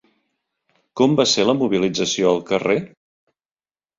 Com va ser la mobilització al carrer?